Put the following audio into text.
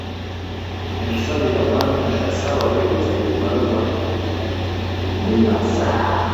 Omusibe yawandiikira ssaabawolereza ebbaluwa emwebaza.